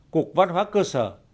cục văn hóa cơ sở